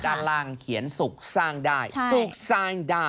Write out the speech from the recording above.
ด้านล่างเขียนสุขสร้างได้สุขสร้างได้